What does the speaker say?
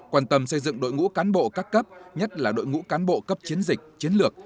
quan tâm xây dựng đội ngũ cán bộ các cấp nhất là đội ngũ cán bộ cấp chiến dịch chiến lược